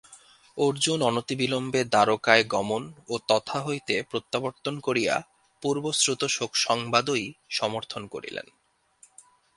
অর্জুন অনতিবিলম্বে দ্বারকায় গমন ও তথা হইতে প্রত্যাবর্তন করিয়া পূর্বশ্রুত শোকসংবাদই সমর্থন করিলেন।